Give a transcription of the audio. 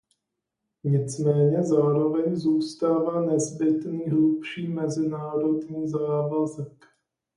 Nicméně zároveň zůstává nezbytný hlubší mezinárodní závazek.